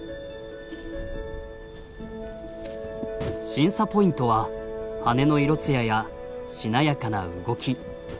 審査ポイントは羽の色艶やしなやかな動き。